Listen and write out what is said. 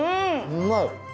うまい！